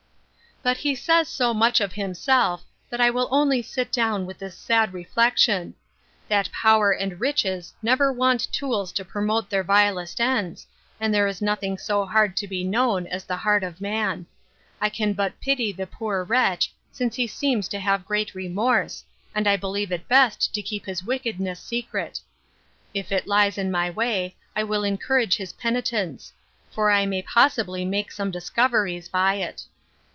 But he says so much of himself, that I will only sit down with this sad reflection, That power and riches never want tools to promote their vilest ends, and there is nothing so hard to be known as the heart of man:—I can but pity the poor wretch, since he seems to have great remorse, and I believe it best to keep his wickedness secret. If it lies in my way, I will encourage his penitence; for I may possibly make some discoveries by it.